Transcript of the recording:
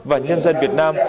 và nhân dân việt nam